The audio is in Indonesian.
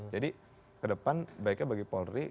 jadi ke depan baiknya bagi polri